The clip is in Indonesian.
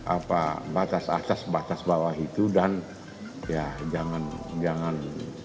apa batas atas batas bawah itu dan ya jangan